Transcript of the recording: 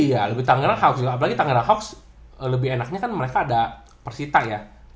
iya lebih tanggerang hawks ya apalagi tanggerang hawks lebih enaknya kan mereka ada persita ya